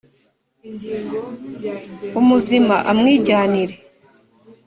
umuzima amwijyanire